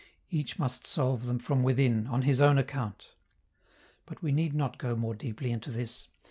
Each must solve them from within, on his own account. But we need not go more deeply into this.